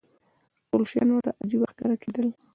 ټول شیان ورته عجیبه ښکاره کېدل.